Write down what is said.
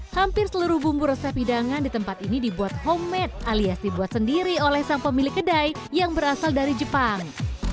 hampir seluruh bumbu resep hidangan di tempat ini dibuat homemade alias dibuat sendiri oleh sang pemilik kedai yang berasal dari jepang